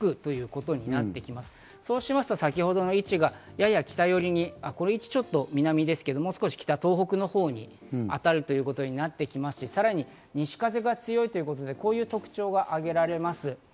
そうしますと西寄りの風が強く、そうしますと先ほどの位置がやや北寄りに、これはちょっと南ですけれども、もう少し東北のほうに当たるということになって、さらに西風が強いということでこういう特徴が挙げられます。